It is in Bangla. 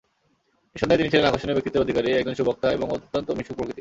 নিঃসন্দেহে তিনি ছিলেন আকর্ষণীয় ব্যক্তিত্বের অধিকারী, একজন সুবক্তা এবং অত্যন্ত মিশুক প্রকৃতির।